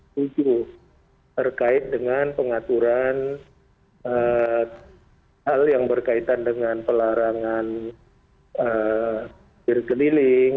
terkait dengan pengaturan hal yang berkaitan dengan pelarangan berkeliling